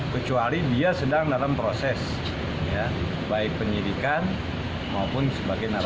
kecuali dia sedang dalam proses